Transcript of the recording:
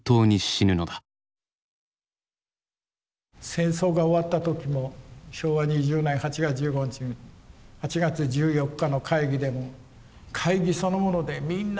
戦争が終わった時も昭和２０年８月１５日に８月１４日の会議でも会議そのものでみんな泣いてますね。